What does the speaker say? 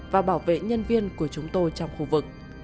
và bảo vệ nhân viên của chúng tôi trong khu vực